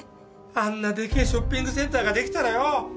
あんなでけえショッピングセンターができたらよ。